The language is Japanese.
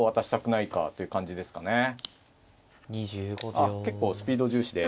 ああ結構スピード重視で。